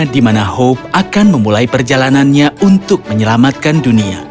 di mana hope akan memulai perjalanannya untuk menyelamatkan dunia